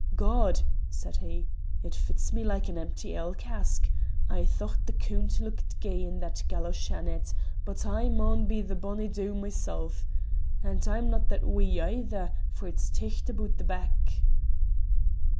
"God!" said he, "it fits me like an empty ale cask. I thocht the Coont looked gey like a galo shan in't, but I maun be the bonny doo mysel'. And I'm no that wee neither, for it's ticht aboot the back."